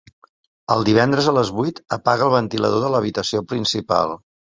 Els divendres a les vuit apaga el ventilador de l'habitació principal.